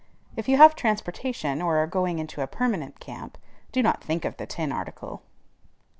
If you have transportation, or are going into a permanent camp, do not think of the tin article.